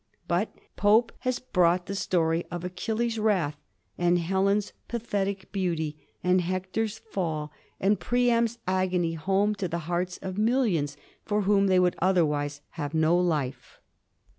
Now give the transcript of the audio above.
But Pope has brought the story of Achilles' wrath, and Helen's pathetic beauty, and Hec tor's fall, and Priam's agony home to the hearts of mill ions for whom they would otherwise have no life.